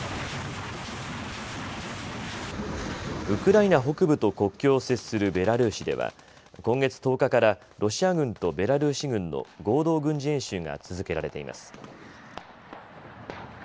ウクライナ北部と国境を接するベラルーシでは今月１０日からロシア軍とベラルーシ軍の合同軍事演習が続けられています。